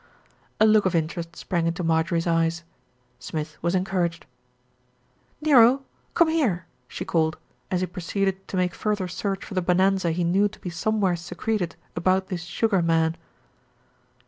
A look of interest sprang into Marjorie's eyes. Smith was encouraged. "Nero, come here," she called, as he proceeded to make further search for the bonanza he knew to be somewhere secreted about this Sugar Man.